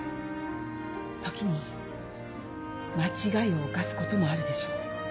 時に間違いを犯すこともあるでしょう。